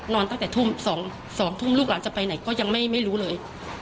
ตั้งแต่ทุ่ม๒ทุ่มลูกหลานจะไปไหนก็ยังไม่รู้เลย